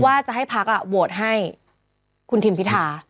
ว่าจะให้พักโหวตให้คุณทิมพิธา